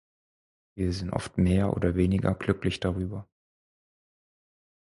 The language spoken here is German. Wir sind oft mehr oder weniger glücklich darüber.